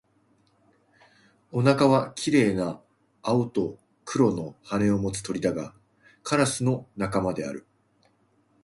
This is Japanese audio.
オナガは綺麗な青と黒の羽を持つ鳥だが、カラスの仲間である